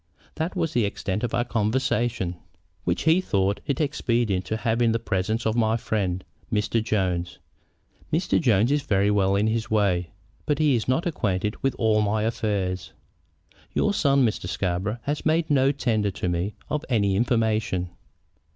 That was the extent of our conversation." "Which he thought it expedient to have in the presence of my friend, Mr. Jones. Mr. Jones is very well in his way, but he is not acquainted with all my affairs." "Your son, Mr. Scarborough, has made no tender to me of any information."